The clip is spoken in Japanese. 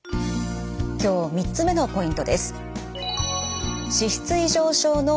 今日３つ目のポイントです。